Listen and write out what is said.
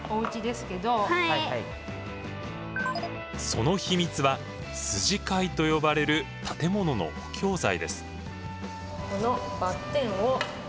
その秘密は「筋交い」と呼ばれる建物の補強材です。